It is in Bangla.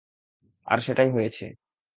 আর সেটাই হয়েছে।